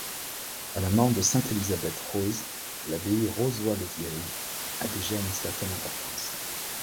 À la mort de sainte Élisabeth-Rose, l’abbaye de Rozoy-le-Vieil a déjà une certaine importance.